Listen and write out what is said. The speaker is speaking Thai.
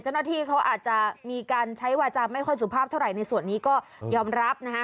เจ้าหน้าที่เขาอาจจะมีการใช้วาจาไม่ค่อยสุภาพเท่าไหร่ในส่วนนี้ก็ยอมรับนะฮะ